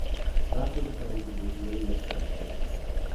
That was when he was really interested.